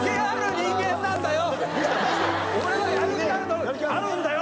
俺はやる気があるあるんだよ！